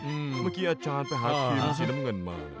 เมื่อกี้อาจารย์ไปหาผีสีน้ำเงินมา